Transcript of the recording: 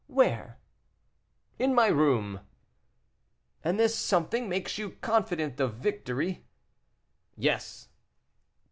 "Where?" "In my room." "And this something makes you confident of victory?" "Yes."